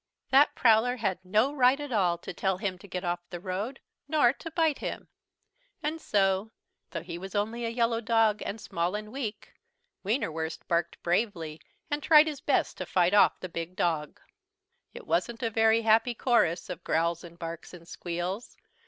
That Prowler had no right at all to tell him to get off the road nor to bite him! And so, though he was only a yellow dog and small and weak, Wienerwurst barked bravely and tried his best to fight off the big dog. It wasn't a very happy chorus of growls and barks and squeals.